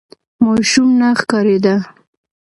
ماشوم نه ښکارېده.